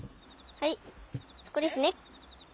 はいここですね。